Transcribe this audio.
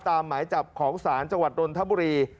หมายจับของศาลจังหวัดนทบุรี